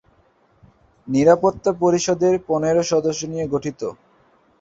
নিরাপত্তা পরিষদের পনের সদস্য নিয়ে গঠিত।